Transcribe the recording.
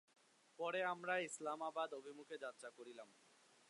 পরে আমরা ইসলামাবাদ অভিমুখে যাত্রা করিলাম।